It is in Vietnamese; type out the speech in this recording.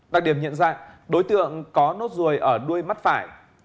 đặc điểm nhận dạng đối tượng có nốt ruồi ở đuôi mắt phải